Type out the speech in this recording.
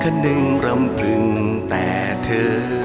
คนหนึ่งรำพึงแต่เธอ